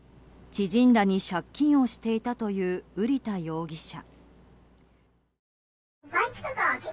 知人らに借金をしていたという瓜田容疑者。